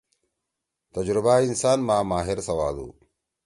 تجرُبہ انسان ما ماہر سوادُو۔